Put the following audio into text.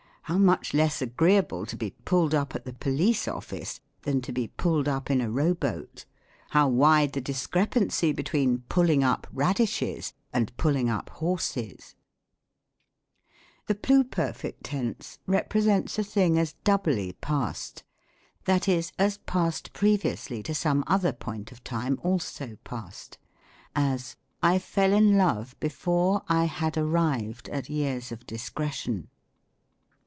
How much k^s ETYMOLOGY. 57 agreeable to be " pulled up" at the Police office than to be " pulled up" in a row boat ! how wide the discre pancy between " pulling up" radishes and " pulling up" horses ! The Pluperfect Tense represents a thing as doubly past ; that is, as past previously to some other point of time also past ; as, " I fell in love before I had arrived at years of discretion."